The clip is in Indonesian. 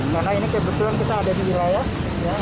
karena ini kebetulan kita ada di wilayah